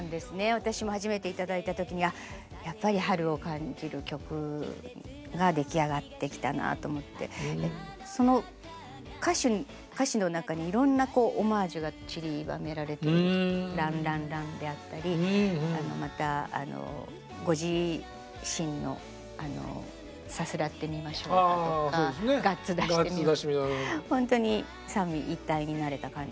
私も初めていただいた時にやっぱり春を感じる曲が出来上がってきたなと思ってその歌詞の中にいろんなオマージュがちりばめられていて「ランランラン」であったりまたご自身のさすらってみましょうだとかガッツだしてほんとに三位一体になれた感じがする楽曲で楽しいです。